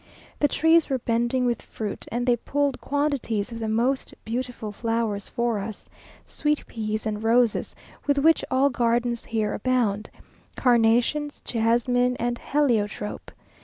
The trees were bending with fruit, and they pulled quantities of the most beautiful flowers for us; sweet peas and roses, with which all gardens here abound, carnations, jasmine, and heliotrope.